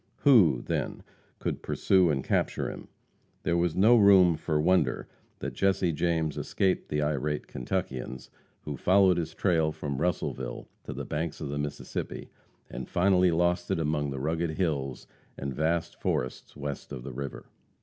Who, then, could pursue and capture him? There is no room for wonder that Jesse James escaped the irate Kentuckians, who followed his trail from Russellville to the banks of the Mississippi, and finally lost it among the rugged hills and vast forests west of the river.